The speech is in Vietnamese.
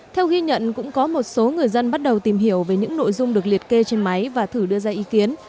theo ghi nhận cũng có một số người dân bắt đầu tìm hiểu về những nội dung được liệt kê trên máy và thử đưa ra ý kiến